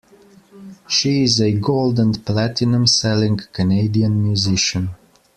She is a gold and platinum selling Canadian musician.